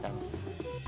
saya ikut kerjakan